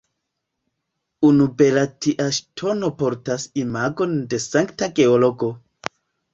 Unu bela tia ŝtono portas imagon de Sankta Georgo.